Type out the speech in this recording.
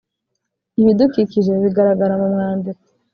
ibidukikije bigaragara mu mwandiko;